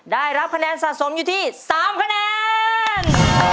ได้รับคะแนนสะสมอยู่ที่๓คะแนน